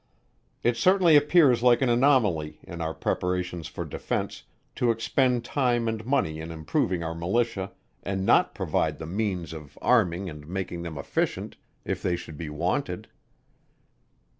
It certainly appears like an anomaly in our preparations for defence, to expend time and money in improving our Militia, and not provide the means of arming and making them efficient if they should be wanted.